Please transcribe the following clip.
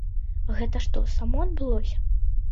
Гэта што, само адбылося?